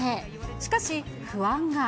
しかし、不安が。